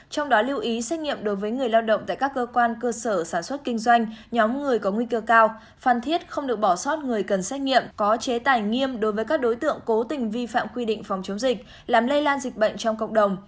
trong đó lưu ý xét nghiệm đối với người lao động tại các cơ quan cơ sở sản xuất kinh doanh nhóm người có nguy cơ cao phan thiết không được bỏ sót người cần xét nghiệm có chế tài nghiêm đối với các đối tượng cố tình vi phạm quy định phòng chống dịch làm lây lan dịch bệnh trong cộng đồng